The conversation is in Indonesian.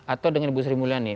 atau dengan ibu sri mulyani